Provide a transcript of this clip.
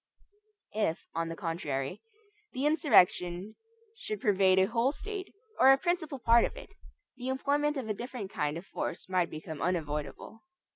If, on the contrary, the insurrection should pervade a whole State, or a principal part of it, the employment of a different kind of force might become unavoidable.